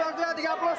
kayanya tim aku deh